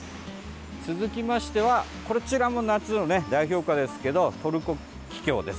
続きましてはこちらも夏の代表花ですけどトルコキキョウです。